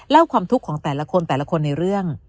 ความทุกข์ของแต่ละคนแต่ละคนในเรื่อง